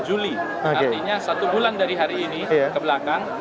sepuluh juli artinya satu bulan dari hari ini kebelakang